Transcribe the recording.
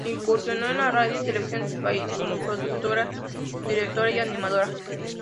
Incursionó en la radio y televisión de su país como productora, directora y animadora.